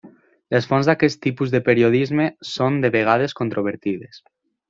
Les fonts d'aquest tipus de periodisme són de vegades controvertides.